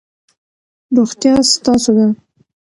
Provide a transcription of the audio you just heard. روغتیا ستاسو ده.